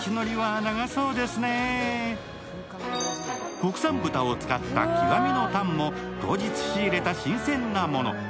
国産豚を使った極みのタンも当日仕入れた新鮮なもの。